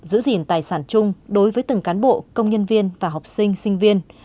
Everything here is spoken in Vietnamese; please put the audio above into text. giữ gìn tài sản chung đối với từng cán bộ công nhân viên và học sinh sinh viên